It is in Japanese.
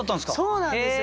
そうなんですよ。